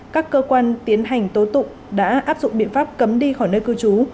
các cơ quan tiến hành tố tụng đã áp dụng biện pháp cấm đi khỏi nơi cư trú